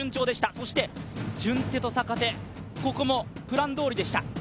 そして順手と逆手、ここもプランどおりでした。